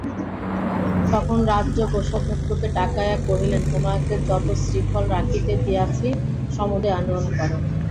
তখন রাজা কোষাধ্যক্ষকে ডাকাইয়া কহিলেন, তোমাকে যত শ্রীফল রাখিতে দিয়াছি সমূদয় আনয়ন কর।